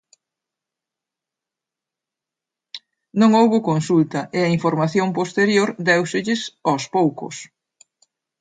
Non houbo consulta e a información posterior déuselles aos poucos.